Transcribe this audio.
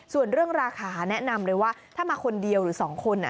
ส่วนเรื่องราคาแนะนำเลยว่าถ้ามาคนเดียวหรือ๒คน